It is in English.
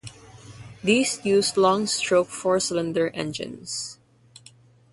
These used long-stroke four-cylinder engines.